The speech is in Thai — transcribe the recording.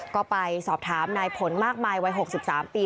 ก็ไปสอบถามนายผลมากมายวัย๖๓ปี